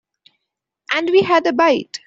And we had a bite.